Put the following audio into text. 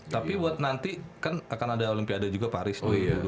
tapi buat nanti kan akan ada olimpiade juga paris dua ribu dua puluh empat